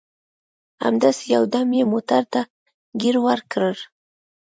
همداسې یو دم یې موټر ته ګیر ورکړ.